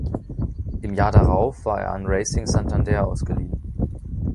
Im Jahr darauf war er an Racing Santander ausgeliehen.